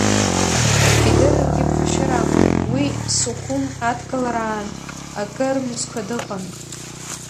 Идырыргьы ԥхашьарам, уи Сухуми адкылараан акыр мзқәа дыҟан.